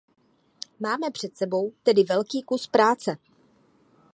Máme před sebou tedy velký kus práce.